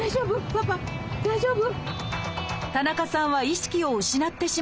パパ大丈夫？